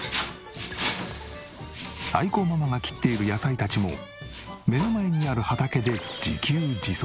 愛子ママが切っている野菜たちも目の前にある畑で自給自足。